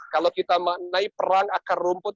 kalau kita menai perang akar rumput